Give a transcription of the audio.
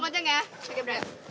mau kaceng ya